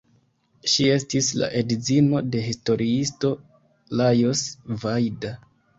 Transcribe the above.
Ŝi estis la edzino de historiisto Lajos Vajda.